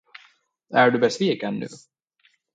Är du besviken nu?